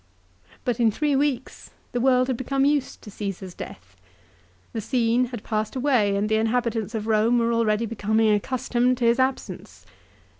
But in three weeks the world had become used to Caesar's death. The scene had passed away and the inhabitants of Eome were already becoming accustomed to his absence.